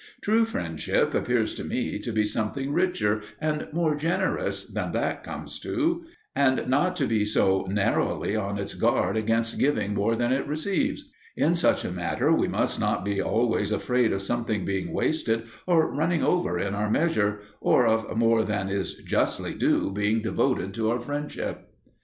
True friendship appears to me to be something richer and more generous than that comes to; and not to be so narrowly on its guard against giving more than it receives. In such a matter we must not be always afraid of something being wasted or running over in our measure, or of more than is justly due being devoted to our friendship.